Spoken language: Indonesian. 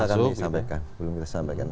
belum bisa kami sampaikan belum bisa kita sampaikan